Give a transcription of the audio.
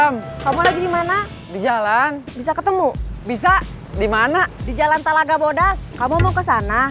maaf bang saya kecopetan